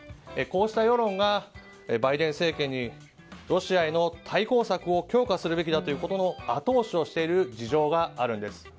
こうした世論がバイデン政権にロシアへの対抗策を強化するべきだということの後押しをしている事情があるんです。